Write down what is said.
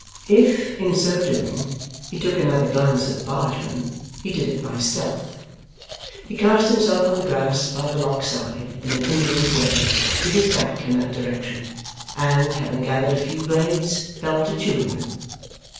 If, in so doing, he took another glance at the bargeman, he did it by stealth. He cast himself on the grass by the Lock side, in an indolent way, with his back in that direction, and, having gathered a few blades, fell to chewing them.